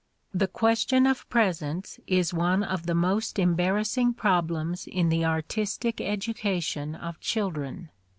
The question of presents is one of the most embarrassing problems in the artistic education of children.